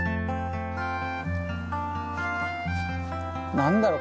何だろう